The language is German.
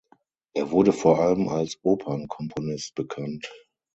Er wurde vor allem als Opernkomponist bekannt.